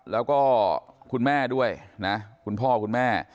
แล้วก็คุณแม่ด้วยนะคุณพ่อคุณแม่